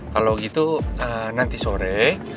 kalau gitu nanti sore